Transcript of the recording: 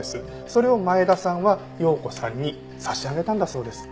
それを前田さんは葉子さんに差し上げたんだそうです。